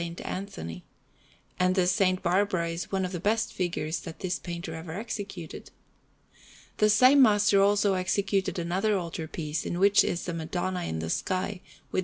Anthony; and the S. Barbara is one of the best figures that this painter ever executed. The same master also executed another altar piece, in which is a Madonna in the sky, with S.